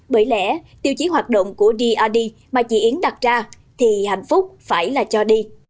bởi lẽ tiêu chí hoạt động của drd mà chị yến đặt ra thì hạnh phúc phải là cho đi